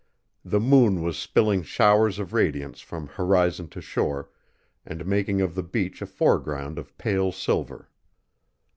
The moon was spilling showers of radiance from horizon to shore, and making of the beach a foreground of pale silver.